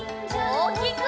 おおきく！